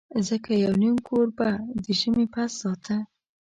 ځکه یو نیم کور به د ژمي پس ساته.